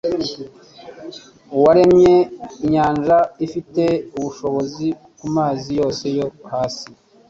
Uwaremye inyanja, ufite ububasha ku mazi yose yo hasi